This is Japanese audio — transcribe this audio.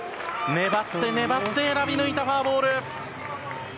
粘って、粘って、選び抜いたフォアボール！